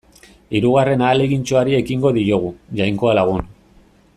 Hirugarren ahalegintxoari ekingo diogu, Jainkoa lagun.